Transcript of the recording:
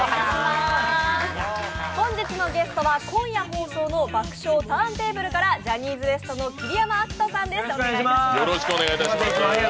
本日のゲストは今夜放送の「爆笑！ターンテーブル」からジャニーズＷＥＳＴの桐山照史さんです。